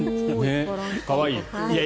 可愛い。